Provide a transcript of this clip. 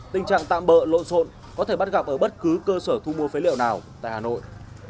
tình trạng tan bỡ lộn xôn có thể bắt gặp ở bất cứ cơ sở thu mua phế liệu nào tại hà nội